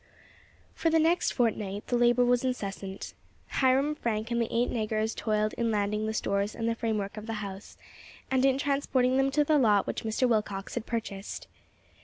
For the next fortnight the labour was incessant. Hiram, Frank, and the eight negroes toiled in landing the stores and the framework of the house, and in transporting them to the lot which Mr. Willcox had purchased.